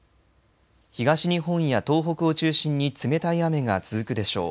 東日本や東北を中心に冷たい雨が続くでしょう。